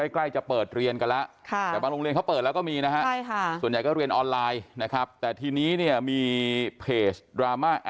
ใกล้จะเปิดเครืองแล้วละค่ะลงเรียนเขาเปิดออกแล้วก็มีนะว่าแค่หนูยากเพศดราม่า